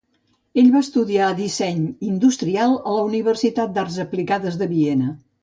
Ell va estudiar disseny industrial a la Universitat d'arts aplicades de Viena.